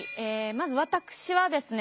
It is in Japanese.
まず私はですね